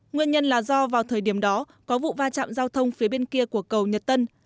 nguyên nhân là do vào thời điểm đó có vụ va chạm giao thông phía bên kia của cầu nhật tân